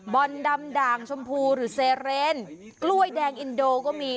บอลดำด่างชมพูหรือเซเรนกล้วยแดงอินโดก็มี